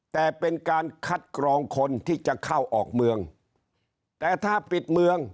แต่เป็นการคัดกรองคนที่จะเข้าออกเมืองแต่ถ้าปิดเมือง